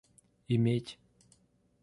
иметь